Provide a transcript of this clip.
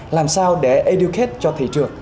làm sao để educate cho thị trường